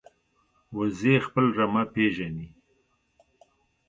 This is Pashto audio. وزې خپل رمه پېژني